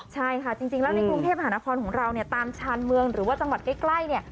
ใช่ค่ะจริงแล้วในกรุงเทพหานครของเราเนี่ยตามชานเมืองหรือว่าจังหวัดใกล้เนี่ย